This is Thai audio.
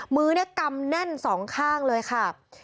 มือเนี่ยกำแน่นสองข้างเลยค่ะ